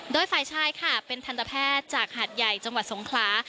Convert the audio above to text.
โดยฝ่ายชายค่ะเป็นทันตแพทย์จากหาดใหญ่จังหวัดสงคลา